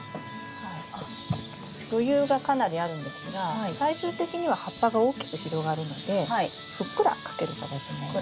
余裕がかなりあるんですが最終的には葉っぱが大きく広がるのでふっくらかける形になります。